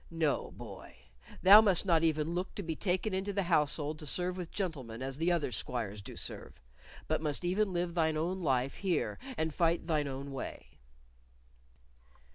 No, boy; thou must not even look to be taken into the household to serve with gentlemen as the other squires do serve, but must even live thine own life here and fight thine own way."